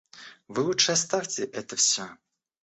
Вы лучше оставьте это всё.